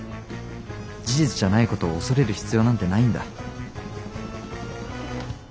事実じゃないことを恐れる必要なんてないんだ。